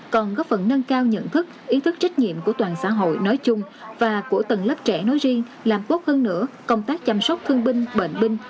còn góp phần nâng cao nhận thức ý thức trách nhiệm của toàn xã hội nói chung và của tầng lớp trẻ nói riêng làm tốt hơn nữa công tác chăm sóc thương binh bệnh binh